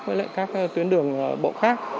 với lại các tuyến đường bộ khác